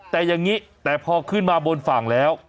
แต่อย่างนี้แต่พอขึ้นมาบนฝั่งแล้ว